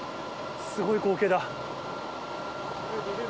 すごい光景だ。